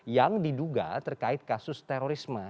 yang diduga terkait kasus terorisme